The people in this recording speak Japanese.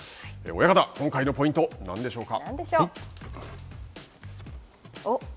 親方、今回のポイント、何でしょうか。